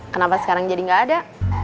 kenapa sekarang jadi nggak ada